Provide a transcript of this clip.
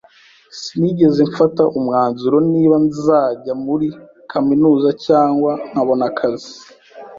Sinigeze mfata umwanzuro niba nzajya muri kaminuza cyangwa nkabona akazi